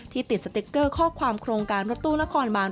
ติดสติ๊กเกอร์ข้อความโครงการรถตู้นครบาน